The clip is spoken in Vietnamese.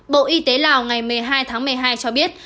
bộ y tế lào ngày một mươi hai tháng một mươi hai cho biết